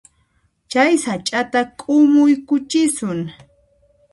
Chay sach'ata k'umuykuchisun.